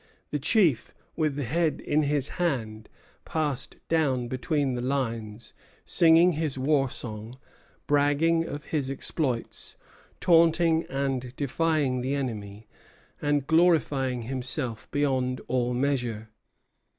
The chief, with the head in his hand, passed down between the lines, singing his war song, bragging of his exploits, taunting and defying the enemy, and glorifying himself beyond all measure.